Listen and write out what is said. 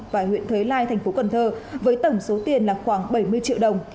và huyện thới lai tp cn với tổng số tiền là khoảng bảy mươi triệu đồng